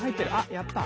やった！